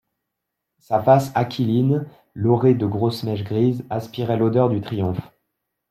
Sa face aquiline laurée de grosses mèches grises aspirait l'odeur du triomphe.